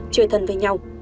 chơi thân với nhau